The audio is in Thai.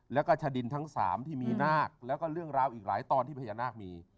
แล้วก็ชะดินทั้ง๓ที่มีนาคแล้วก็เรื่องราวอีกหลายตอนที่พญานาคมี